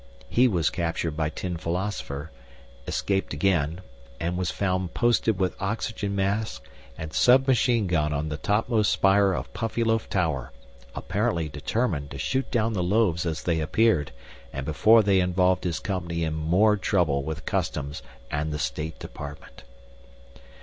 He was captured by Tin Philosopher, escaped again, and was found posted with oxygen mask and submachine gun on the topmost spire of Puffyloaf Tower, apparently determined to shoot down the loaves as they appeared and before they involved his company in more trouble with Customs and the State Department.